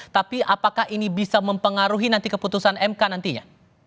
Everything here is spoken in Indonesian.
tapi apakah ini bisa mempengaruhi nanti keputusan mk nantinya